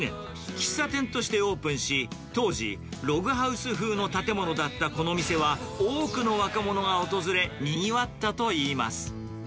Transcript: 喫茶店としてオープンし、当時、ログハウス風の建物だったこの店は、多くの若者が訪れ、にぎわったといいます。